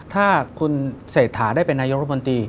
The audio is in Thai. ถ้าคุณเศรษฐาได้เป็นนายกรมนตรี